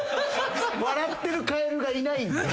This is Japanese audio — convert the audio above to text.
笑ってるカエルがいない